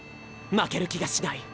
負ける気がしない。